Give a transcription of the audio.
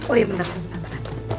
oh iya bentar bentar